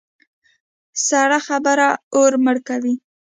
سړه خبره اور مړه کوي.